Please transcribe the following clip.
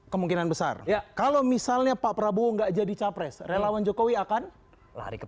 kemungkinan besar ya kalau misalnya pak prabowo enggak jadi capres relawan jokowi akan lari ke